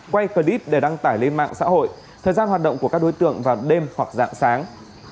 quay clip để đăng tải lên mạng xã hội thời gian hoạt động của các đối tượng vào đêm hoặc dạng sáng